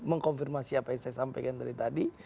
mengkonfirmasi apa yang saya sampaikan tadi